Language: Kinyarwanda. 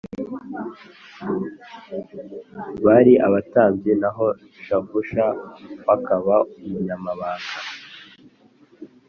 bari abatambyi naho Shavusha w akaba umunyamabanga